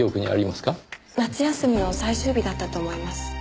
夏休みの最終日だったと思います。